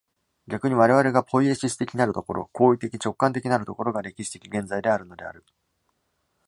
逆に我々がポイエシス的なる所、行為的直観的なる所が、歴史的現在であるのである。